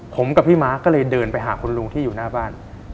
ผมกับพี่ม้าก็เลยเดินไปหาคุณลุงที่อยู่หน้าบ้าน